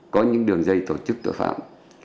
có những đường dây tổ chức tội phạm